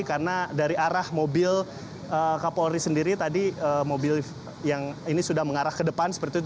karena dari arah mobil kapolri sendiri tadi mobil yang ini sudah mengarah ke depan seperti itu